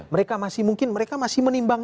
mereka masih mungkin mereka masih menimbang